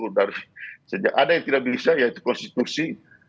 dari ada yang tidak bisa yaitu konstitusi